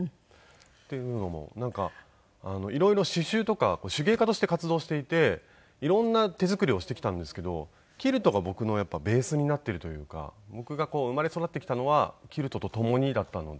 っていうのもなんか色々刺繍とか手芸家として活動していて色んな手作りをしてきたんですけどキルトが僕のベースになっているというか僕が生まれ育ってきたのはキルトと共にだったので。